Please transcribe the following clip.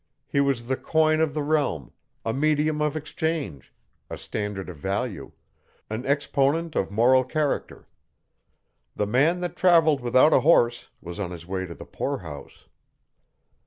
He was the coin of the realm, a medium of exchange, a standard of value, an exponent of moral character. The man that travelled without a horse was on his way to the poorhouse.